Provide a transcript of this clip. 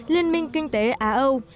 liên minh kinh tế á âu